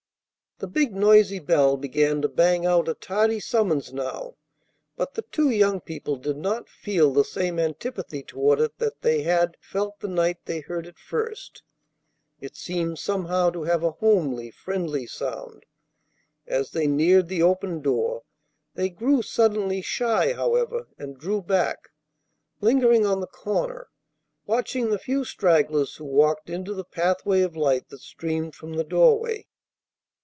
The big, noisy bell began to bang out a tardy summons now; but the two young people did not feel the same antipathy toward it that they had felt the night they heard it first. It seemed somehow to have a homely, friendly sound. As they neared the open door, they grew suddenly shy, however, and drew back, lingering on the corner, watching the few stragglers who walked into the pathway of light that streamed from the doorway.